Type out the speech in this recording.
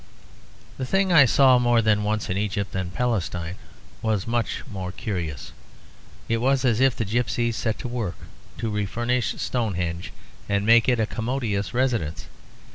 The thing I saw more than once in Egypt and Palestine was much more curious. It was as if the gipsies set to work to refurnish Stonehenge and make it a commodious residence.